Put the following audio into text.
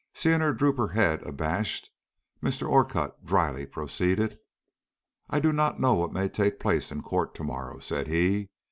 Seeing her droop her head abashed, Mr. Orcutt dryly proceeded. "I do not know what may take place in court to morrow," said he.